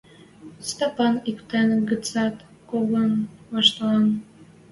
Стапан иктӹн гӹцӓт когон ваштылын.